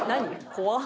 怖っ！